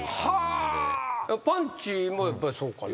パンチもやっぱりそうかな？